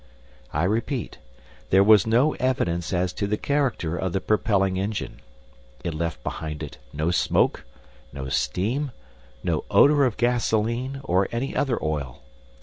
I repeat, there was no evidence as to the character of the propelling engine. It left behind it no smoke, no steam, no odor of gasoline, or any other oil.